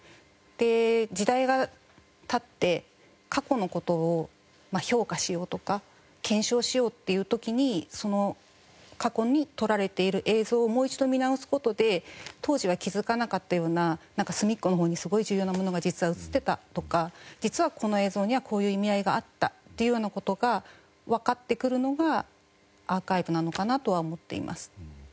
で時代が経って過去の事をまあ評価しようとか検証しようっていう時に過去に撮られている映像をもう一度見直す事で当時は気づかなかったようななんか隅っこのほうにすごい重要なものが実は映ってたとか実はこの映像にはこういう意味合いがあったっていうような事がわかってくるのがアーカイブなのかなとは思っています。